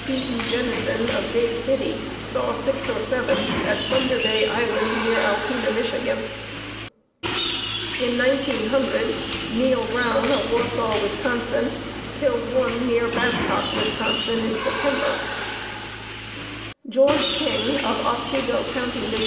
Jennison of Bay City saw six or seven at Thunder Bay Island near Alpena, Mich. In 1900 Neal Brown of Wausau, Wis., killed one near Babcock, Wis., in September. George King of Otsego County, Mich.